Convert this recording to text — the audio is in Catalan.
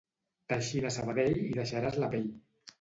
Teixint a Sabadell hi deixaràs la pell.